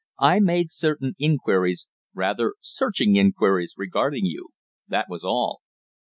"I made certain inquiries rather searching inquiries regarding you that was all."